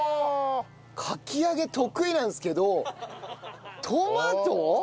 かき揚げ得意なんですけどトマト！？